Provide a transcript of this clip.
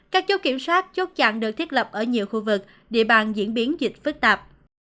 các chốt kiểm soát chốt chặn được thiết lập ở nhiều khu vực địa bàn diễn biến dịch phức tạp